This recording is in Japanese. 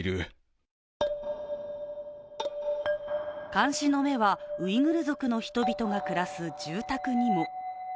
監視の目はウイグル族の人々が暮らす住宅にも。